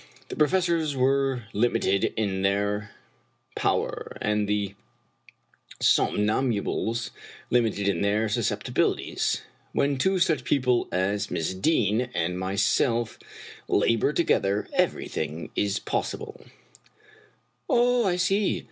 The professors were limited in their power, and the somnambules limited in their susceptibilities. When two such people as Miss Deane and myself labor together, everything is possible I "" Oh, I see